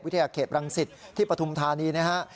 วิทยาเขตรังศิษย์ที่ปฐุมธานีนะฮะ